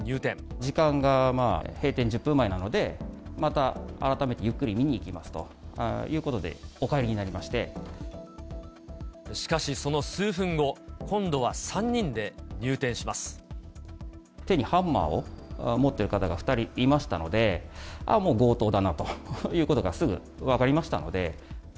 時間が閉店１０分前なので、また改めてゆっくり見にいきますということで、お帰りになりまししかし、その数分後、手にハンマーを持ってる方が２人いましたので、ああ、もう強盗だなということがすぐ分かりましたので。